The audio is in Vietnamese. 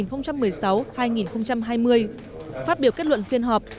phát biểu kết luận phiên họp